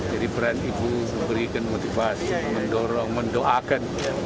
peran ibu memberikan motivasi mendorong mendoakan